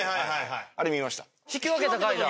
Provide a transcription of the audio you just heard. あれ見ました。